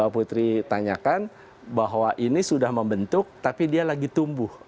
putri tanyakan bahwa ini sudah membentuk tapi dia lagi tumbuh